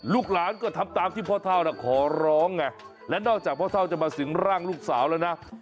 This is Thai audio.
ลูกหลานก็ทำตามที่พ่อเท่าขอร้องไงและนอกจากพ่อเท่าจะมาสิงร่างลูกสาวแล้วนะ